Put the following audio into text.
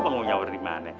abang mau nyawar dimana